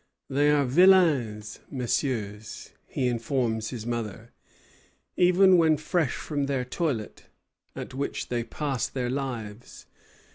"They are vilains messieurs," he informs his mother, "even when fresh from their toilet, at which they pass their lives.